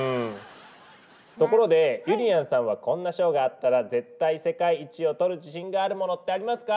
ところでゆりやんさんはこんな賞があったら絶対世界一を取る自信があるものってありますか？